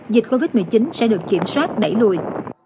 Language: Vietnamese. dịch covid một mươi chín sẽ được kiểm soát đẩy lùi